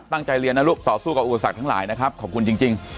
ตั้งใจเรียนนะลูกต่อสู้กับอุปสรรคทั้งหลายนะครับขอบคุณจริง